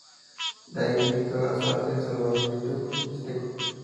De allí visitó Salta, San Salvador de Jujuy y Esteco.